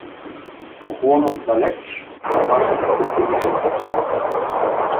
Поклон отдалеч на вашето пепелище.